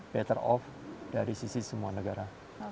better off dari sisi semua negara